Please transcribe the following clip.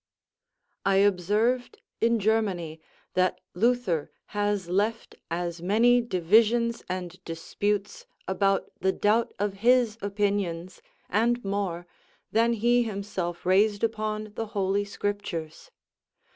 I observed in Germany that Luther has left as many divisions and disputes about the doubt of his opinions, and more, than he himself raised upon the Holy Scriptures.